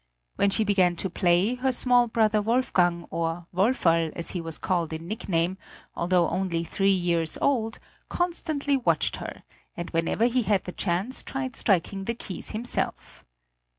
When she began to play, her small brother Wolfgang, or Woferl as he was called in nickname, although only three years old, constantly watched her, and whenever he had the chance tried striking the keys himself.